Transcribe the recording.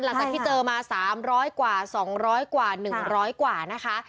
หลังจากที่เจอมา๓๐๐กว่า๒๐๐กว่า๑๐๐กว่านะคะ